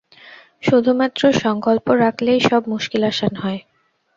শুধুমাত্র সঙ্কল্প রাখলেই সব মুশকিল আসান হয়?